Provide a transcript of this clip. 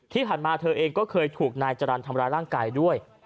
ที่ผ่านมาเธอเองก็เคยถูกนายจรรย์ทำร้ายร่างกายด้วย